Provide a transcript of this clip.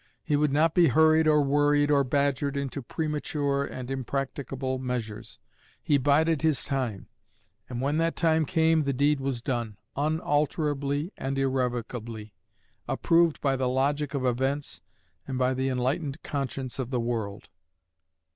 He would not be hurried or worried or badgered into premature and impracticable measures. He bided his time; and when that time came the deed was done, unalterably and irrevocably: approved by the logic of events, and by the enlightened conscience of the world.